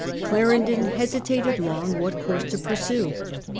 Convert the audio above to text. Clarendon hesitated long what course to pursue.